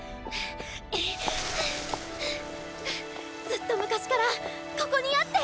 ずっと昔からここにあって！